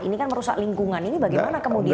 ini kan merusak lingkungan ini bagaimana kemudian